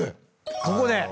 ここで？